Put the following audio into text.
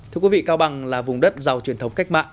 thưa quý vị cao bằng là vùng đất giàu truyền thống cách mạng